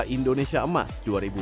indonesia emas dua ribu empat puluh lima